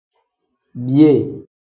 Biyee.